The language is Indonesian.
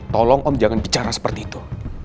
tolong om jangan bicara seperti itu